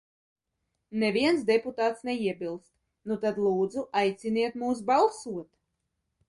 Neviens deputāts neiebilst, nu tad, lūdzu, aiciniet mūs balsot!